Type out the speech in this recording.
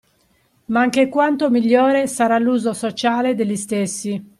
Ma anche quanto migliore sarà l’uso sociale degli stessi.